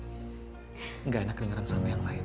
enggak enak dengeran suami yang lain